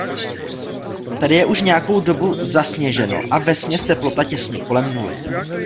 Tady je už nějakou dobu zasněženo a vesměs teplota těsně kolem nuly.